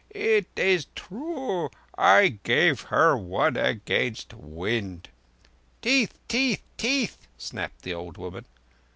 "It is true. I gave her one against wind." "Teeth—teeth—teeth," snapped the old woman.